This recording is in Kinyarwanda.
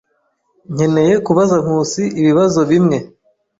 Nkeneye kubaza Nkusi ibibazo bimwe.